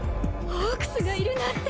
ホークスがいるなんて。